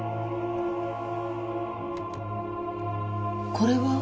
これは？